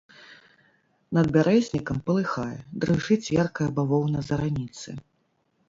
Над бярэзнікам палыхае, дрыжыць яркая бавоўна зараніцы.